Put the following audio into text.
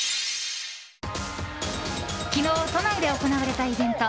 昨日、都内で行われたイベント。